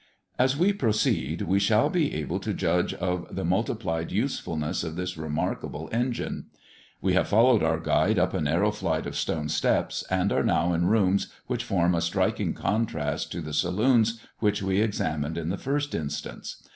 As we proceed we shall be able to judge of the multiplied usefulness of this remarkable engine. We have followed our guide up a narrow flight of stone steps, and are now in rooms which form a striking contrast to the saloons which we examined in the first instance.